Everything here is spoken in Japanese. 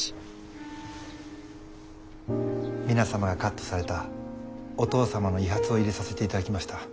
皆様がカットされたお父様の遺髪を入れさせていただきました。